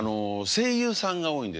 声優さんが多いんですよ。